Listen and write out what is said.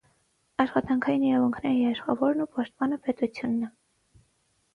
Աշխատանքային իրավունքների երաշխավորն ու պաշտպանը պետությունն է։